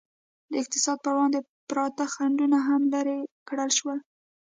د اقتصاد پر وړاندې پراته خنډونه هم لرې کړل شول.